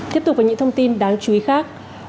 tiếp tục với những thông tin đáng chú ý khác